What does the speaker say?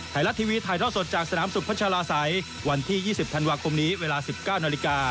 ไทยรัฐทีวีถ่ายท่อสดจากสนามสุพัชลาศัยวันที่๒๐ธันวาคมนี้เวลา๑๙นาฬิกา